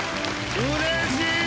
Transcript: うれしい！